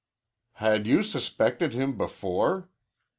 "Had you suspected him before?"